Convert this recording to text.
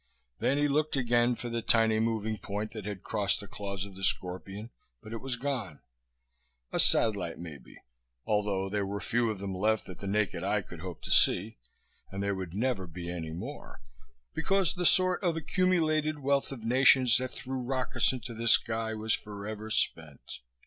Then he looked again for the tiny moving point that had crossed the claws of the Scorpion, but it was gone. A satellite, maybe. Although there were few of them left that the naked eye could hope to see. And there would never be any more, because the sort of accumulated wealth of nations that threw rockets into the sky was forever spent.